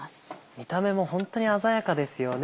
見た目もホントに鮮やかですよね